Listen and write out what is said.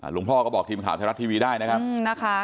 พ่อก็บอกทีมข่าวไทยรัฐทีวีได้นะครับ